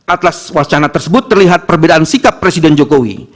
atas wacana tersebut terlihat perbedaan sikap presiden jokowi